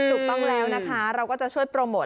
ถูกต้องแล้วนะคะเราก็จะช่วยโปรโมท